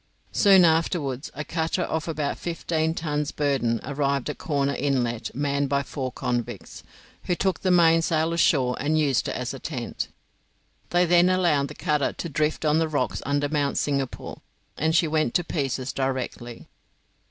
Soon afterwards a cutter of about fifteen tons burden arrived at Corner Inlet manned by four convicts, who took the mainsail ashore and used it as a tent. They then allowed the cutter to drift on the rocks under Mount Singapore, and she went to pieces directly.